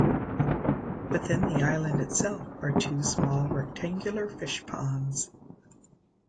Within the island itself are two small rectangular fishponds.